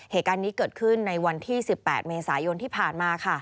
เหตุการณ์นี้เกิดขึ้นในวันที่๑๘เมษายนที่ผ่านมาค่ะ